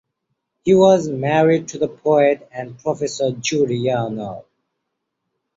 He was married to the poet and professor Judy Yarnall.